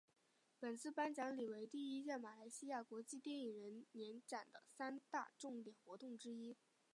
本次颁奖礼为第一届马来西亚国际电影人年展的三大重点活动之一。